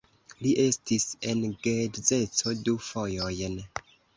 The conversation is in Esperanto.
Li estis en geedzeco du fojojn.